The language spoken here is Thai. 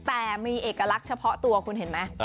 แต่มีเอกลักษณ์เฉพาะตัวคุณเห็นไหม